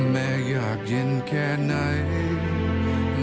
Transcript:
แม่อยากเย็นแค่ไหน